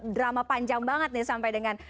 drama panjang banget nih sampai dengan